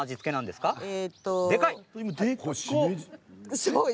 でかい！